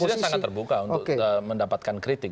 presiden sangat terbuka untuk mendapatkan kritik